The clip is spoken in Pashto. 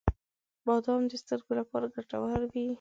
• بادام د سترګو لپاره ګټور وي.